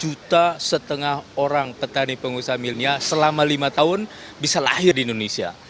satu juta setengah orang petani pengusaha milenial selama lima tahun bisa lahir di indonesia